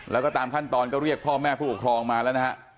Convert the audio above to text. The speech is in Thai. แล้วก็ตามขั้นตอนก็เรียกพ่อแม่ผู้ปกครองมาแล้วนะฮะ